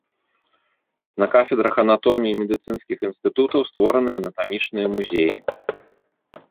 На кафедрах анатоміі медыцынскіх інстытутаў створаны анатамічныя музеі.